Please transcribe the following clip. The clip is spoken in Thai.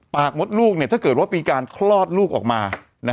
มดลูกถ้าเกิดว่ามีการคลอดลูกออกมา